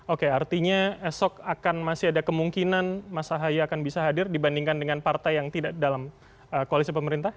oke artinya esok akan masih ada kemungkinan mas ahaye akan bisa hadir dibandingkan dengan partai yang tidak dalam koalisi pemerintah